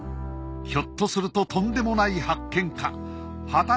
ひょっとするととんでもない発見か！？